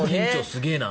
すげえな。